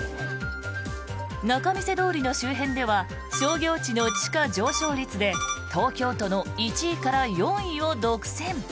仲見世通りの周辺では商業地の地価上昇率で東京都の１位から４位を独占。